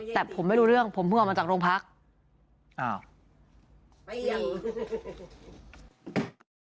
แต่ผมไม่รู้เรื่องผมเพื่อมาจากโรงพักษ์